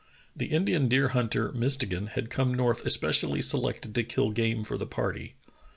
The Indian deer hunter, Mistegan, had come north especially selected to kill game for the party.